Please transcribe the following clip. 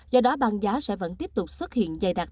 do đó băng giá sẽ vẫn tiếp tục xuất hiện dày đặc